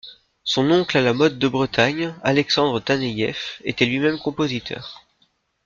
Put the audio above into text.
Son oncle à la mode de Bretagne, Alexandre Taneïev, était lui-même compositeur.